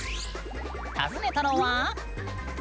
訪ねたのは。